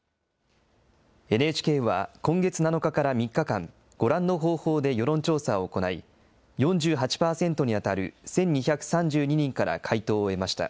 ＮＨＫは今月７日から３日間、ご覧の方法で世論調査を行い、４８％に当たる１２３２人から回答を得ました。